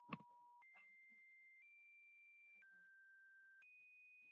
Algunos consideran, sin embargo, que fue el primero en abandonar el metro cuantitativo clásico.